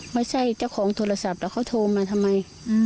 เจ้าของโทรศัพท์แล้วเขาโทรมาทำไม